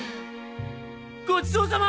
ごちそうさま！